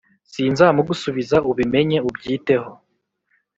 Sinzamugusubiza ubimenye ubyiteho